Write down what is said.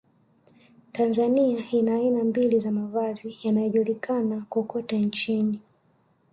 Tanzania ina aina mbili za mavazi yanayojulikana kokote nchini